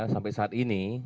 sampai saat ini